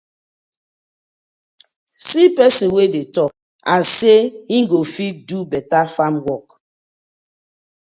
See pesin wey dey tok as say im go fit do betta farm wok.